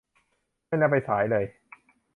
ไม่น่าไปสายเลย